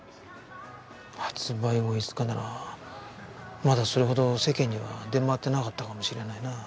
発売後５日ならまだそれほど世間には出回ってなかったかもしれないな。